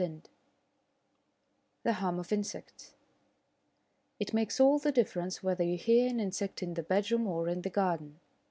IV THE HUM OF INSECTS It makes all the difference whether you hear an insect in the bedroom or in the garden.